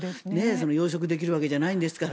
養殖できるわけじゃないんですから。